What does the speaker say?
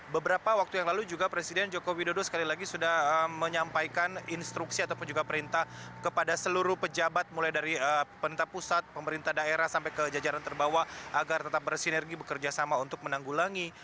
beberapa waktu yang lalu juga presiden joko widodo sekali lagi sudah menyampaikan instruksi ataupun juga perintah kepada seluruh pejabat mulai dari pemerintah pusat pemerintah daerah sampai ke jajaran terbawah agar tetap bersinergi bekerjasama untuk menanggulangi